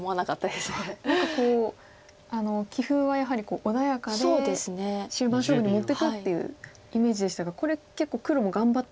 何かこう棋風はやはり穏やかで終盤勝負に持っていくっていうイメージでしたがこれ結構黒も頑張った。